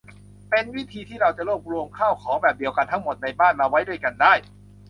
เป็นวิธีที่เราจะรวบรวมข้าวของแบบเดียวกันทั้งหมดในบ้านมาไว้ด้วยกันได้